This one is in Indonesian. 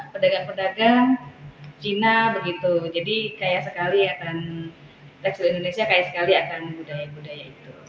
pedagang pedagang cina begitu jadi kaya sekali akan tekstur indonesia kaya sekali akan budaya budaya itu